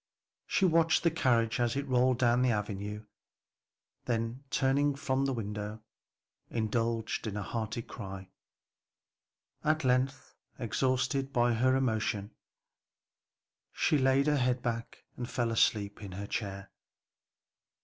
She watched the carriage as it rolled down the avenue, then turning from the window, indulged in a hearty cry. At length, exhausted by her emotion, she laid her head back and fell asleep in her chair.